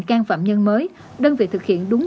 căn phạm nhân mới đơn vị thực hiện đúng